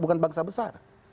itu bukan bangsa besar